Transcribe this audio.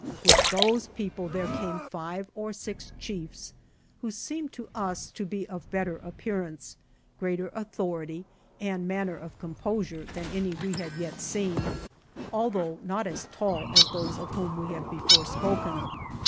With those peo ple there came five or six chiefs, who seemed to us to be of better appearance, greater authority and manner of composure than any we had yet seen, although not as tall as 47 THE JOURNEY OF those of whom we have before spoken.